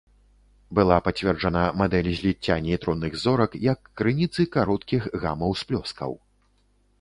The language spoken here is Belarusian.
Была пацверджана мадэль зліцця нейтронных зорак як крыніцы кароткіх гама-ўсплёскаў.